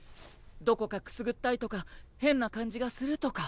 どこかくすぐったいとか変な感じがするとか？